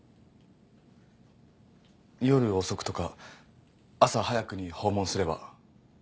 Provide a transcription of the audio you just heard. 夜遅くとか朝早くに訪問すれば。